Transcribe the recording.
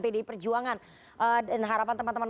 pdi perjuangan dan harapan teman teman